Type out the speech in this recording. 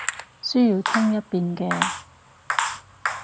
需要聽一遍嘅